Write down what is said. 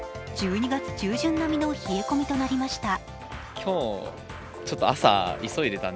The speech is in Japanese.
１２月中旬並みの冷え込みとなりました。